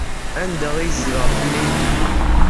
Anda ay tzedɣemt ilindi?